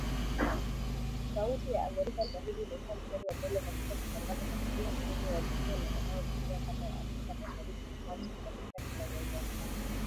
Sauti ya Amerika Swahili imekua mstari wa mbele katika kutangaza matukio muhimu ya dunia na yanayotokea kanda ya Afrika Mashariki na Kati, katika kila nyanja ya habari.